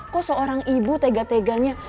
kok seorang ibu tega teganya